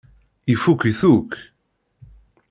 Ifukk-it akk.